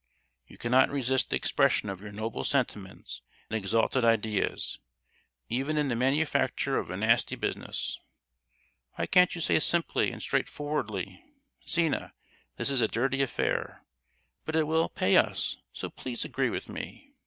You cannot resist the expression of your noble sentiments and exalted ideas, even in the manufacture of a nasty business. Why can't you say simply and straightforwardly, 'Zina, this is a dirty affair, but it will pay us, so please agree with me?